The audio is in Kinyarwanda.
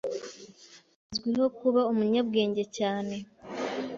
Azwiho kuba umunyabwenge cyane.